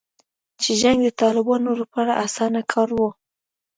چې جنګ د طالبانو لپاره اسانه کار و